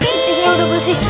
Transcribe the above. baju saya udah bersih